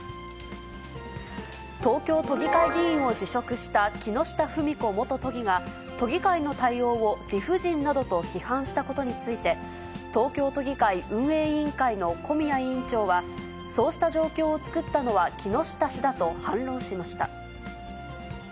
東京都議会議員を辞職した木下富美子元都議が、都議会の対応を理不尽などと批判したことについて、東京都議会運営委員会の小宮委員長は、そうした状況を作ったのは木下氏だと反論しました。